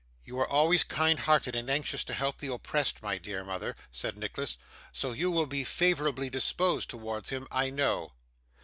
'You are always kind hearted, and anxious to help the oppressed, my dear mother,' said Nicholas, 'so you will be favourably disposed towards him, I know.